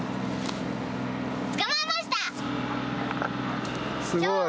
捕まえました！